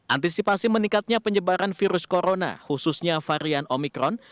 antisipasi meningkatnya penyebaran virus corona khususnya varian omikron